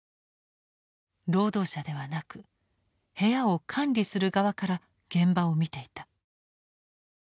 労働者ではなく部屋を管理する側から現場を見ていた。